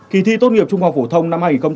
kỳ thi tốt nghiệp trung học phổ thông